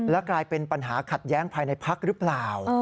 กลายเป็นปัญหาขัดแย้งภายในพักหรือเปล่า